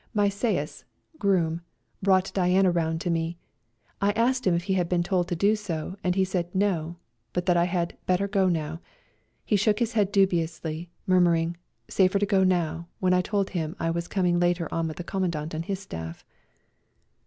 My sais (groom) brought Diana round to me. I asked him if he had been told to do so, and he said " No," but that I " had better go now." He shook his head dubiously, murmuring, " Safer to go now," when I told him I was coming later on with the Commandant and his staff.